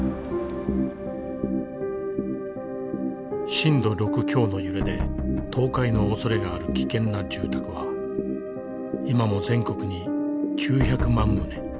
震度６強の揺れで倒壊の恐れがある危険な住宅は今も全国に９００万棟。